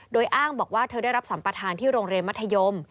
โดยอ้างบอกว่าเธอได้รับสัมประธานที่โรงเรียนมัธยม